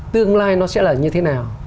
tương lai nó sẽ là như thế nào